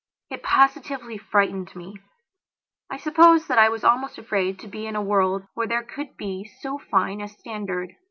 It positively frightened me. I suppose that I was almost afraid to be in a world where there could be so fine a standard.